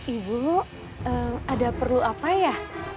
ibu ada perlu apa ya